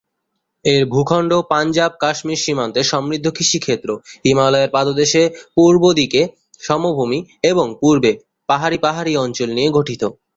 এর ভূখণ্ড পাঞ্জাব/কাশ্মীর সীমান্তে সমৃদ্ধ কৃষিক্ষেত্র, হিমালয়ের পাদদেশে পূর্ব দিকে সমভূমি এবং পূর্বে পাহাড়ি পাহাড়ি অঞ্চল নিয়ে গঠিত।